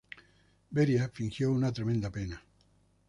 Beria fingió una tremenda pena.